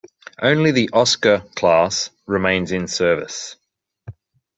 Only the Oscar-class remains in service.